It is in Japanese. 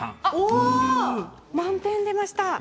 満点が出ました。